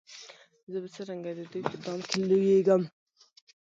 زه به څرنګه د دوی په دام کي لوېږم